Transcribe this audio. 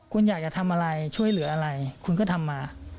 คุณอยากจะทำอะไรช่วยเหลืออะไรคุณก็ทำมา